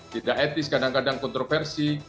tidak etis kadang kadang kontroversi